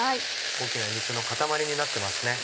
大きな肉の塊になってますね。